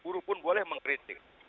guru pun boleh mengkritik